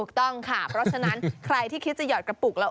ถูกต้องค่ะเพราะฉะนั้นใครที่คิดจะหอดกระปุกแล้ว